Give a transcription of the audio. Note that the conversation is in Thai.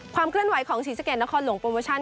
ความเคลื่อนไหวของศรีสะเกดนครหลวงโปรโมชั่น